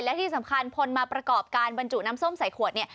และที่สำคัญคนมาประกอบการบรรจุน้ำส้มใส่ขวดเนี่ย